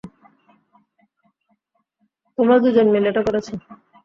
তোমরা দুজন মিলে এটা করেছ।